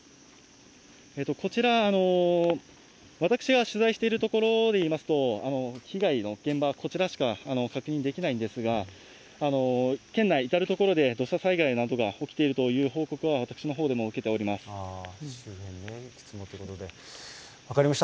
こちら、私が取材している所で言いますと、被害の現場はこちらしか確認できないんですが、県内、至る所で土砂災害などが起きているという報告は私のほうでも受け分かりました、